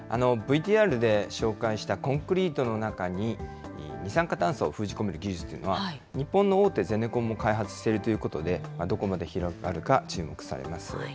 ＶＴＲで紹介したコンクリートの中に二酸化炭素を封じ込める技術というのは、日本の大手ゼネコンも開発しているということで、どこまで広がるか注目されます。